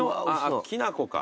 きなこか。